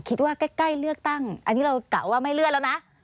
ใกล้เลือกตั้งอันนี้เรากะว่าไม่เลื่อนแล้วนะ